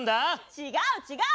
違う違う！